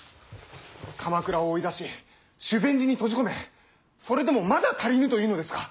鎌倉を追い出し修善寺に閉じ込めそれでもまだ足りぬというのですか。